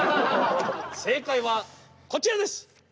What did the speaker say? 正解はこちらです！